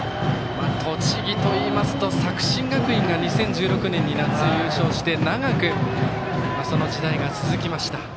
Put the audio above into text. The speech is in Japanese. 栃木といいますと、作新学院が２０１６年に優勝して長くその時代が続きました。